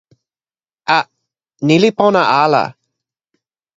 a. ni li pona ala.